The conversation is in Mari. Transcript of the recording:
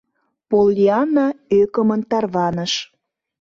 Поллианна ӧкымын тарваныш.